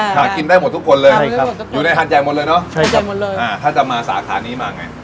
ถ้าจะมาสาขานี้มาไง